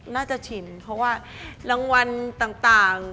น่าจะชินเพราะว่ารางวัลต่าง